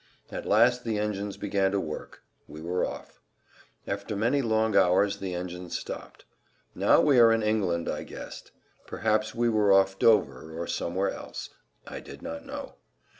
At last the engines began to work; we were off. After many long hours the engines stopped. Now we are in England I guessed. Perhaps we were off Dover or somewhere else; I did not know.